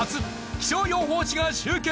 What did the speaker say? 気象予報士が集結！